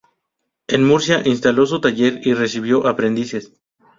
En Murcia instaló su taller y recibió aprendices.